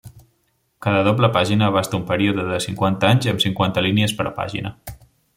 Cada doble pàgina abasta un període de cinquanta anys, amb cinquanta línies per pàgina.